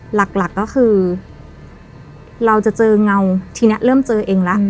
หลักก็คือเราจะเจอเงาทีนี้เริ่มเจอเองแล้ว